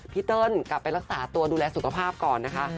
เติ้ลกลับไปรักษาตัวดูแลสุขภาพก่อนนะคะ